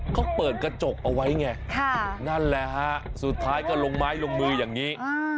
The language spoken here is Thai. เขาเปิดกระจกเอาไว้ไงนั่นแหละฮะสุดท้ายก็ลงไม้ลงมืออย่างนี้